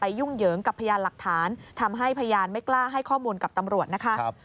ยุ่งเหยิงกับพยานหลักฐานทำให้พยานไม่กล้าให้ข้อมูลกับตำรวจนะคะ